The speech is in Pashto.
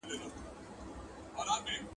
ویدو خلکو پرتو خلکو! ,